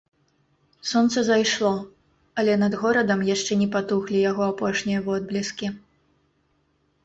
Сонца зайшло, але над горадам яшчэ не патухлі яго апошнія водбліскі.